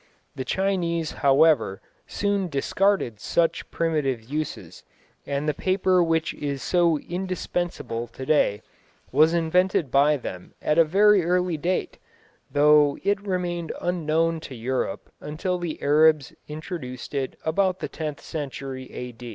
The Chinese, however, soon discarded such primitive uses, and the paper which is so indispensable to day was invented by them at a very early date, though it remained unknown to Europe until the Arabs introduced it about the tenth century, A.